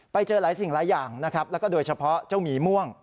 ไปเจอหลายสิ่งหลายอย่างนะครับแล้วก็โดยเฉพาะเจ้าหมีม่วง